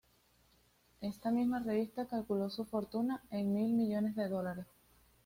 Esta misma revista calculó su fortuna en mil millones de dólares.